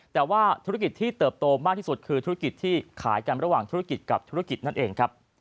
แต่ว่าธุรกิจที่เติบโตมากที่สุดคือธุรกิจที่ขายกันระหว่างธุรกิจกับธุรกิจนั่นเองครับ